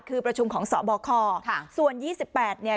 คือประชุมของสบคส่วนยี่สิบแปดเนี่ย